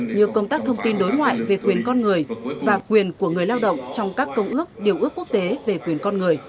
như công tác thông tin đối ngoại về quyền con người và quyền của người lao động trong các công ước điều ước quốc tế về quyền con người